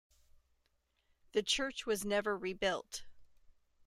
The church was never rebuilt.